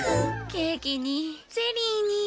ケーキにゼリーに。